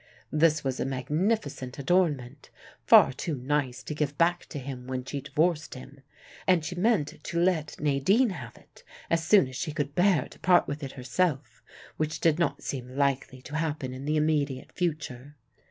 This was a magnificent adornment, far too nice to give back to him when she divorced him, and she meant to let Nadine have it, as soon as she could bear to part with it herself, which did not seem likely to happen in the immediate future.